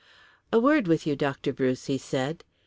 "A word with you, Dr. Bruce," he said.